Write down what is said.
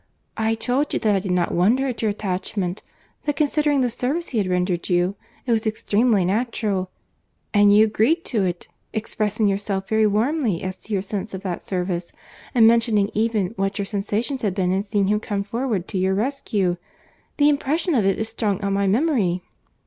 I told you that I did not wonder at your attachment; that considering the service he had rendered you, it was extremely natural:—and you agreed to it, expressing yourself very warmly as to your sense of that service, and mentioning even what your sensations had been in seeing him come forward to your rescue.—The impression of it is strong on my memory."